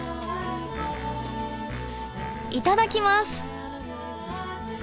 いただきます。